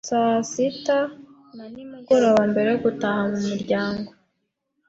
saa sita na ni mugoroba mbere yo gutaha mu miryango